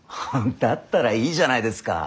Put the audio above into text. だったらいいじゃないですか。